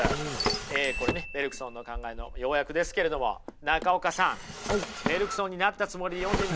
これねベルクソンの考えの要約ですけれども中岡さんベルクソンになったつもりで読んでみていただけますか。